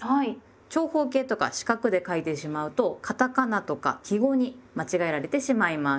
長方形とか四角で書いてしまうとカタカナとか記号に間違えられてしまいます。